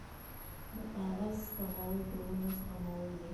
د کاغذ سپمول د ونو سپمول دي